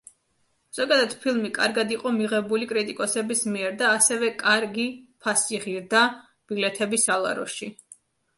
ზოგადად, ფილმი კარგად იყო მიღებული კრიტიკოსების მიერ და ასევე „კარგი“ ფასი ღირდა ბილეთები სალაროში.